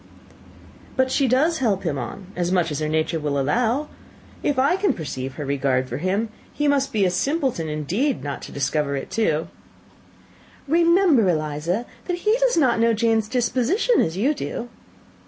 "But she does help him on, as much as her nature will allow. If I can perceive her regard for him, he must be a simpleton indeed not to discover it too." "Remember, Eliza, that he does not know Jane's disposition as you do."